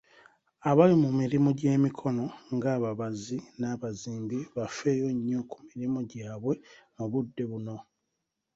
Abali mu mirimu gy'emikono ng'ababazzi, n'abazimbi, bafeeyo nnyo ku mirimu gyabwe mu budde buno.